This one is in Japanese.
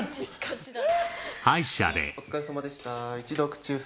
お疲れさまでした一度。